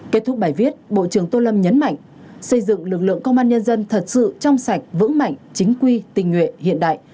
kết thúc bài viết bộ trưởng tô lâm nhấn mạnh xây dựng lực lượng công an nhân dân thật sự trong sạch vững mạnh chính quy tình nguyện hiện đại